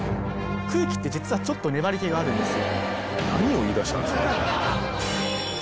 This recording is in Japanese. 空気って実はちょっと粘り気があるんですよ